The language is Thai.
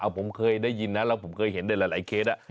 ผมเคยได้ยินนะแล้วผมเคยเห็นในหลายเคส